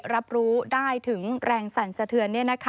รับรู้ได้ถึงแรงสั่นสะเทือน